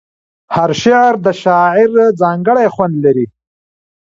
هر شعر د شاعر ځانګړی خوند لري.